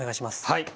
はい。